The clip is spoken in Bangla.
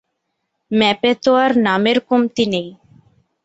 ম্যাপে তো আর নামের কমতি নেই।